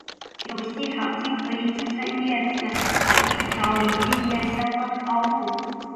有细长茎可以支持叶子或枝条离地面相当的高度。